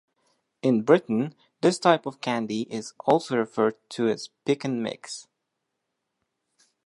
In Britain, this type of candy is also referred to as pick 'n' mix.